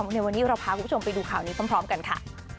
ในวันนี้เราพาคุณผู้ชมไปดูข่าวนี้พร้อมกันค่ะ